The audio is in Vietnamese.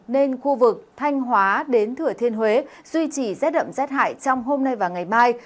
nên khu vực thanh hóa đến thừa thiên huế duy trì rét ẩm rét hại trong hôm nay và ngày mai